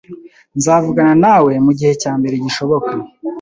Nzavugana nawe mugihe cyambere gishoboka